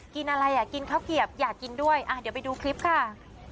กินอะไรอ่ะกินข้าวเกียบอยากกินด้วยอ่ะเดี๋ยวไปดูคลิปค่ะ